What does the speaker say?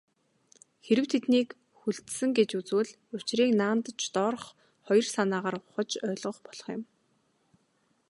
Хэрэв тэднийг хүлцсэн гэж үзвэл, учрыг наанадаж доорх хоёр санаагаар ухаж ойлгож болох юм.